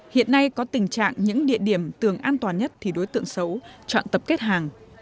hiện nay có tình trạng những địa điểm tường an toàn nhất thì đối tượng xấu chọn tập kết hàng